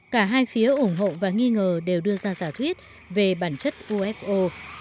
cả hai phía ủng hộ và nghi ngờ đều đưa ra giả thuyết về bản chất ufo